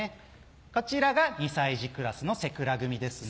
こちらが２歳児クラスのせくら組ですね。